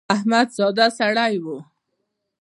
احمد زردا سړی دی.